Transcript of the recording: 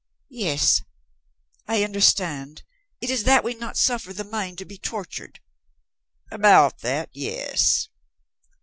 Yes, I understand. It is that we not suffer the mind to be tortured?" "About that, yes."